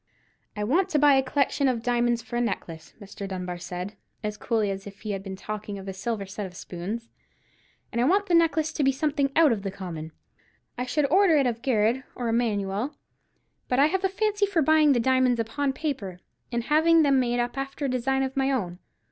"I want to buy a collection of diamonds for a necklace," Mr. Dunbar said, as coolly as if he had been talking of a set of silver spoons; "and I want the necklace to be something out of the common. I should order it of Garrard or Emanuel; but I have a fancy for buying the diamonds upon paper, and having them made up after a design of my own.